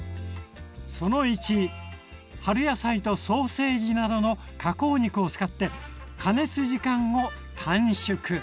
春野菜とソーセージなどの加工肉を使って加熱時間を短縮！